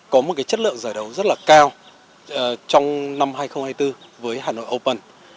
có một chất lượng giải đấu rất là cao trong năm hai nghìn hai mươi bốn với hà nội open